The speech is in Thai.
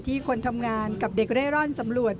คนทำงานกับเด็กเร่ร่อนสำรวจ